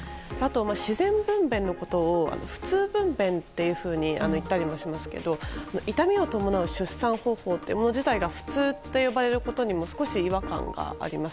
自然分娩のことを普通分娩と言ったりもしますけど痛みを伴う出産方法自体が普通って呼ばれることにも少し違和感があります。